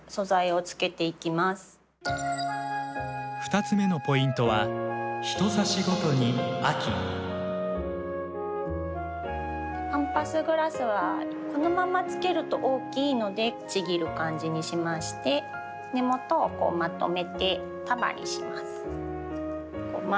２つ目のポイントはパンパスグラスはこのままつけると大きいのでちぎる感じにしまして根元をまとめて束にします。